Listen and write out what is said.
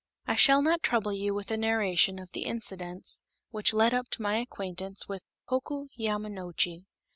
I shall not trouble you with a narration of the incidents which led up to my acquaintance with Hoku Yamanochi.